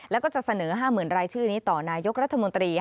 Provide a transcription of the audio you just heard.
แล้วก็จะเสนอ๕๐๐๐รายชื่อนี้ต่อนายกรัฐมนตรี